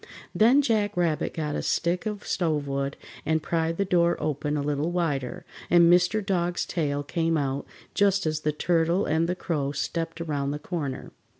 Then Jack Rabbit got a stick of stovewood and pried the door open a little wider, and Mr. Dog's tail came out just as the Turtle and the Crow stepped around the corner.